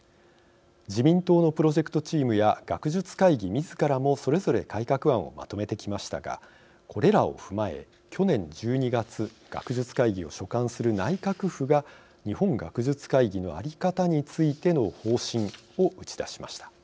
自民党のプロジェクトチームや学術会議みずからも、それぞれ改革案をまとめてきましたがこれらを踏まえ、去年１２月学術会議を所管する内閣府が日本学術会議の在り方についての方針を打ち出しました。